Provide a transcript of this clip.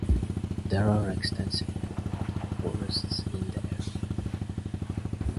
There are extensive mangrove forests in the area.